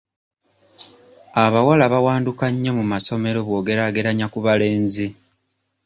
Abawala bawanduka nnyo mu masomero bw'ogeraageranya ku balenzi.